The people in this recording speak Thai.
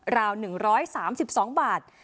ราว๑๓๒บาท